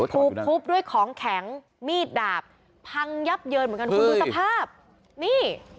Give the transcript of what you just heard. ถูกทุบด้วยของแข็งมีดดาบพังยับเยินเหมือนกันคุณดูสภาพนี่